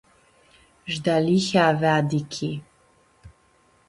Sh-delihea avea dichi.